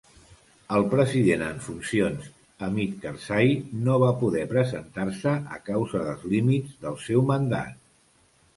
El president en funcions Hamid Karzai no va poder presentar-se a causa dels límits del seu mandat.